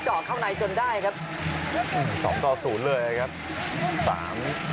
เจาะเข้าในจนได้ครับ